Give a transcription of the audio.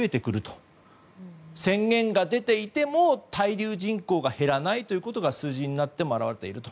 宣言が出ていても滞留人口が減らないということが数字になって表れていると。